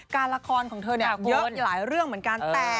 ละครของเธอเยอะหลายเรื่องเหมือนกัน